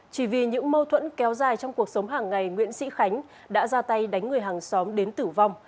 chỉ vì những mâu thuẫn kéo dài trong cuộc sống hàng ngày nguyễn sĩ khánh đã ra tay đánh người hàng xóm đến tử vong